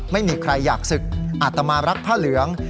ไม่มีใครอยากศึกอาตมารักผ้าเหลือง